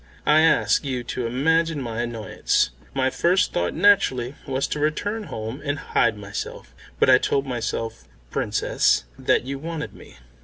I ask you to imagine my annoyance. My first thought naturally was to return home and hide myself; but I told myself, Princess, that you wanted me."